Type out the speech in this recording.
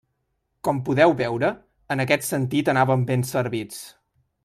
Com podeu veure, en aquest sentit anàvem ben servits.